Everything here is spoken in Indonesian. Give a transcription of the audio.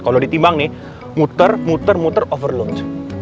kalo ditimbang nih muter muter muter overload